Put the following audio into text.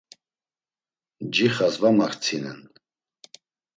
Ncixas va maktsinen.